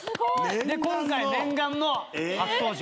で今回念願の初登場。